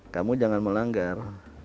kamu jangan melanggar